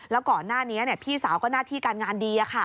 แล้วก่อนหน้านี้พี่สาวก็หน้าที่การงานดี